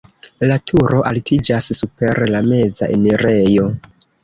La turo altiĝas super la meza enirejo.